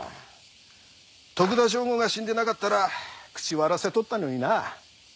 徳田省吾が死んでなかったら口割らせとったのにな。